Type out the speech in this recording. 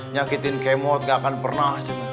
nyakitin kemot gak akan pernah